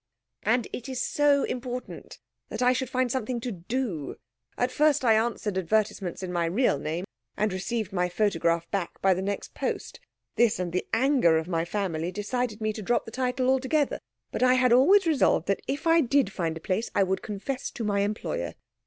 "And it is so important that I should find something to do. At first I answered advertisements in my real name, and received my photograph back by the next post. This, and the anger of my family, decided me to drop the title altogether. But I had always resolved that if I did find a place I would confess to my employer.